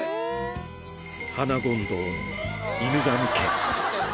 ハナゴンドウの犬神家。